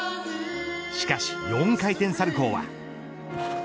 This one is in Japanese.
しかし４回転サルコウは。